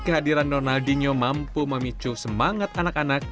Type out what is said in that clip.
kehadiran ronaldinho mampu memicu semangat anak anak